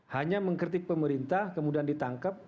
hanya mengkritik pemerintah kemudian ditangkap